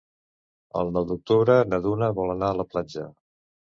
El nou d'octubre na Duna vol anar a la platja.